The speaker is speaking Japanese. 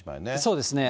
そうですね。